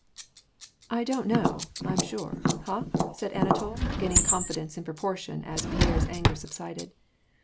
"I don't know, I'm sure; ha? " said Anatol, gaining confi dence in proportion as Pierre's anger subsided.